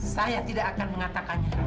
saya tidak akan mengatakannya